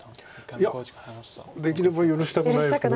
いやできれば許したくないです。